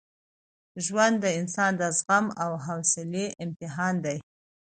ژوند د انسان د زغم او حوصلې امتحان دی.